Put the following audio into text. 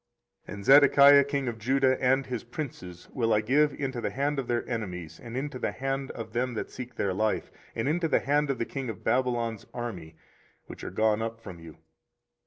24:034:021 And Zedekiah king of Judah and his princes will I give into the hand of their enemies, and into the hand of them that seek their life, and into the hand of the king of Babylon's army, which are gone up from you.